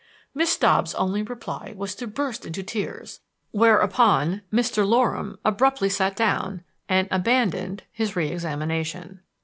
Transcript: Miss Dobbs' only reply was to burst into tears; whereupon Mr. Loram abruptly sat down and abandoned his re examination.